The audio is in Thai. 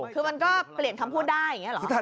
คือมันก็เปลี่ยนคำพูดได้อย่างนี้หรอ